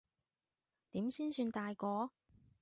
點先算大個？